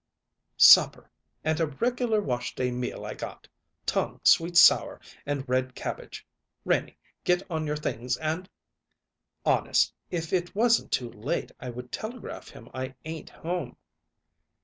"Supper and a regular wash day meal I got! Tongue sweet sour, and red cabbage! Renie, get on your things and " "Honest, if it wasn't too late I would telegraph him I ain't home."